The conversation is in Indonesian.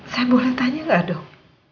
saya boleh tanya gak dok